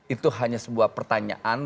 itu hanya sebuah pertanyaan